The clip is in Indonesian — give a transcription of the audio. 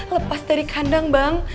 lepas dari kandang bang